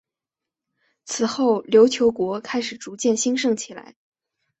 此后琉球国开始逐渐兴盛起来。